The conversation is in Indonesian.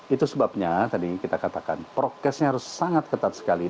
itu sebabnya tadi kita katakan prokesnya harus sangat ketat sekali